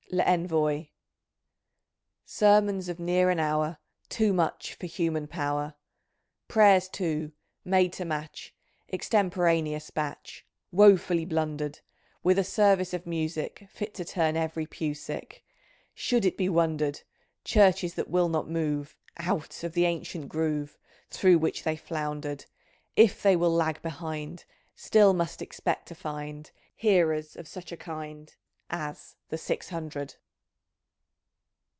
L'Envoy. Sermons of near an hour, Too much for human power ; Prayers, too, made to match (Extemporaneous batch, WofuUy blundered). With a service of music. Fit to turn every pew sick , Should it be wondered ? Churches that will not move Out of the ancient groove Through which they floundered. If they will lag behind. Still must expect to find Hearers of such a kind As the Six Hundred.